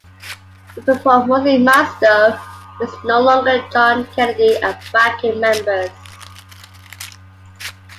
We perform mostly my stuff, but it's no longer John Kennedy and backing members.